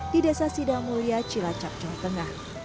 di desa sidang mulia cilacap cengkengah